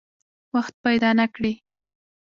وخت پیدا نه کړي.